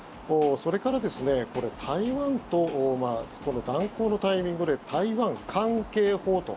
それから台湾とこの断交のタイミングで台湾関係法と。